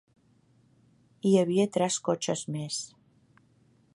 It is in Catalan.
Hi havia tres cotxes més.